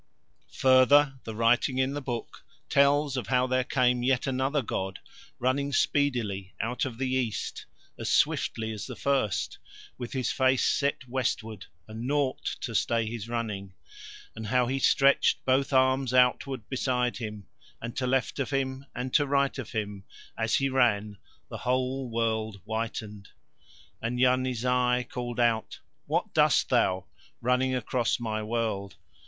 Further, the writing in the book tells of how there came yet another god running speedily out of the east, as swiftly as the first, with his face set westward, and nought to stay his running; and how he stretched both arms outward beside him, and to left of him and to right of him as he ran the whole world whitened. And Yarni Zai called out: "What dost thou, running across my world?"